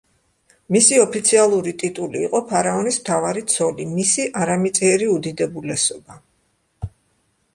მისი ოფიციალური ტიტული იყო: ფარაონის მთავარი ცოლი, მისი არამიწიერი უდიდებულესობა.